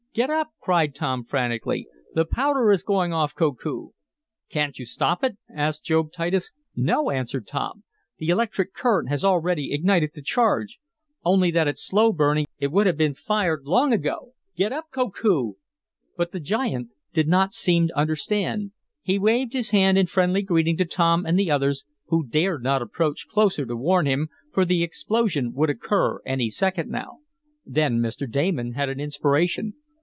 Get up!" cried Tom, frantically. The powder is going off, Koku!" "Can't you stop it?" asked Job Titus. "No!" answered Tom. "The electric current has already ignited the charge. Only that it's slow burning it would have been fired long ago. Get up, Koku!" But the giant did not seem to understand. He waved his hand in friendly greeting to Tom and the others, who dared not approach closer to warn him, for the explosion would occur any second now. Then Mr. Damon had an inspiration.